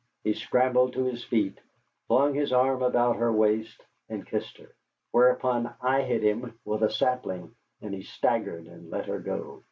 He scrambled to his feet, flung his arm about her waist, and kissed her. Whereupon I hit him with a sapling, and he staggered and let her go.